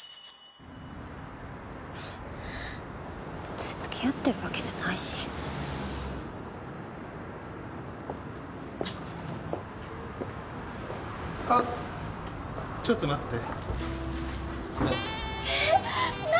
別につきあってるわけじゃないし・あっちょっと待って・これえっ何？